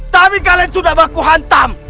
tapi kalian sudah baku hantam